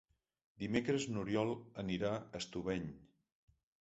Dimecres n'Oriol anirà a Estubeny.